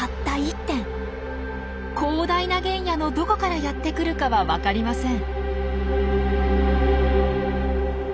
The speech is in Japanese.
広大な原野のどこからやって来るかはわかりません。